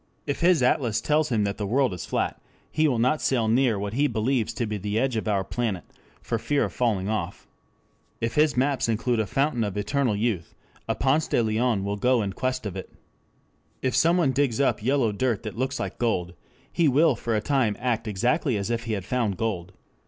If his atlas tells him that the world is flat he will not sail near what he believes to be the edge of our planet for fear of falling off. If his maps include a fountain of eternal youth, a Ponce de Leon will go in quest of it. If someone digs up yellow dirt that looks like gold, he will for a time act exactly as if he had found gold.